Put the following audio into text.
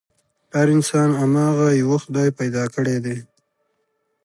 هر انسان هماغه يوه خدای پيدا کړی دی.